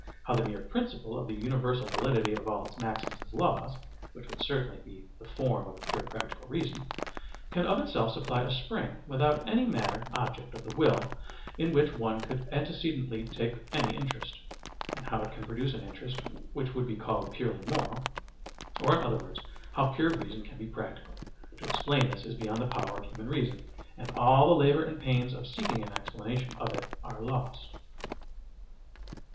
how the mere principle of the universal validity of all its maxims as laws (which would certainly be the form of a pure practical reason) can of itself supply a spring, without any matter (object) of the will in which one could antecedently take any interest; and how it can produce an interest which would be called purely moral; or in other words, how pure reason can be practical to explain this is beyond the power of human reason, and all the labour and pains of seeking an explanation of it are lost.